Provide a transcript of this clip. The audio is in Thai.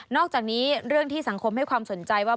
อกจากนี้เรื่องที่สังคมให้ความสนใจว่า